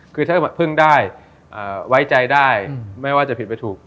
คือถ้าเพิ่งได้ไว้ใจได้ไม่ว่าจะผิดไม่ถูก